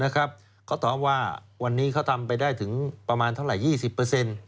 เขาตอบว่าวันนี้เขาทำไปได้ถึงประมาณเท่าไหร่๒๐